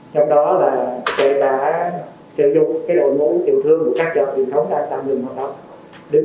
trong đó là sẽ đã sử dụng cái đội mũi tiểu thương của các chợ truyền thống đang tạm dừng hoạt động